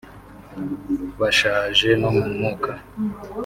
bashaje no mu mwuka